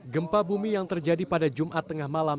gempa bumi yang terjadi pada jumat tengah malam